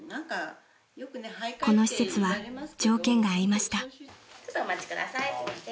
［この施設は条件が合いました］